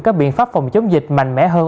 các biện pháp phòng chống dịch mạnh mẽ hơn